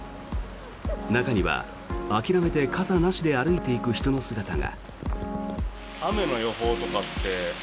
中には、諦めて傘なしで歩いていく人の姿が。